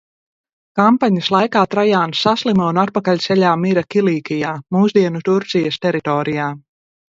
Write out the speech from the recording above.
Kampaņas laikā Trajāns saslima un atpakaļceļā mira Kilīkijā, mūsdienu Turcijas teritorijā.